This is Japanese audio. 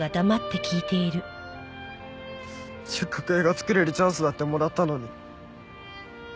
せっかく映画作れるチャンスだってもらったのに。